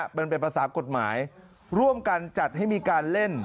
มันเป็นภาษากฎหมายร่วมกันจัดให้มีการเล่น